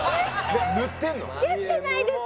やってないです！